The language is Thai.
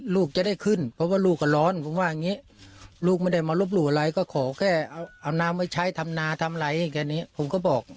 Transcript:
ลูกจะได้ขึ้นเพราะว่าลูกก็ร้อนผมว่าอย่างนี้ลูกไม่ได้มาลบหลู่อะไรก็ขอแค่เอาน้ำไว้ใช้ทำนาทำอะไรแค่นี้ผมก็บอก